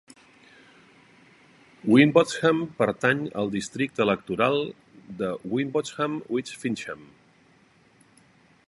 Wimbotsham pertany al districte electoral de Wimbotsham with Fincham.